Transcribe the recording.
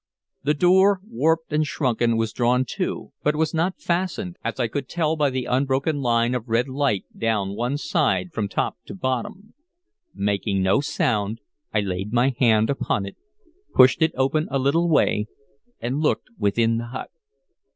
The door, warped and shrunken, was drawn to, but was not fastened, as I could tell by the unbroken line of red light down one side from top to bottom. Making no sound, I laid my hand upon it, pushed it open a little way, and looked within the hut.